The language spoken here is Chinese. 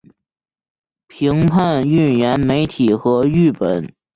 批评预言媒体和誊本